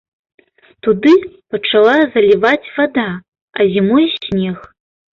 Туды пачала заліваць вада, а зімой снег.